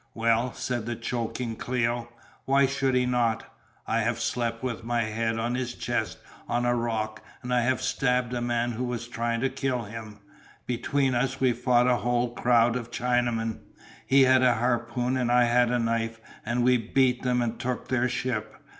"Well," said the choking Cléo, "why should he not? I have slept with my head on his chest on a rock and I have stabbed a man who was trying to kill him. Between us we fought a whole crowd of Chinamen. He had a harpoon and I had a knife and we beat them and took their ship.